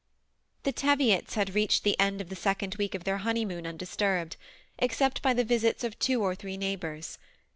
The Teviots had reached the end of the second week of their honeymoon undisturbed, except by the visits of two or three of their neighbors.